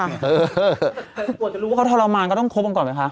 กว่าจะรู้ว่าเขาทรมานก็ต้องคบกันก่อนไหมคะ